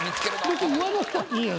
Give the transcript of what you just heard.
別に言わなくたっていい。